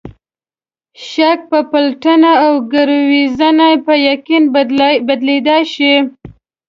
شک په پلټنه او ګروېږنه په یقین بدلېدای شي.